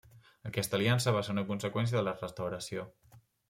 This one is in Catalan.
Aquesta Aliança va ser una conseqüència de la Restauració.